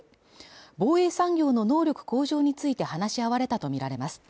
防衛産業の能力向上について話し合われたと見られます